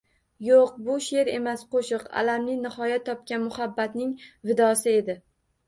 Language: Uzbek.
Yoʻq, bu sheʼr emas, qoʻshiq, alamli nihoya topgan muhabbatning vidosi edi.